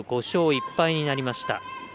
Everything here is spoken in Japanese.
５勝１敗になりました。